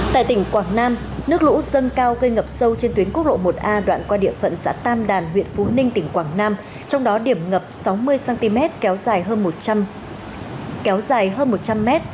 tại tỉnh quảng nam nước lũ dâng cao gây ngập sâu trên tuyến quốc lộ một a đoạn qua địa phận xã tam đàn huyện phú ninh tỉnh quảng nam trong đó điểm ngập sáu mươi cm kéo dài hơn một trăm linh m